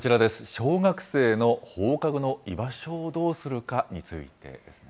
小学生の放課後の居場所をどうするかについてですね。